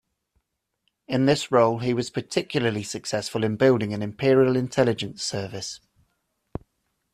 In this role he was particularly successful in building an imperial intelligence service.